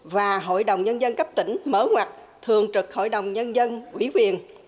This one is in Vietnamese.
và hội đồng nhân dân cấp tỉnh mở ngoặt thường trực hội đồng nhân dân quỹ quyền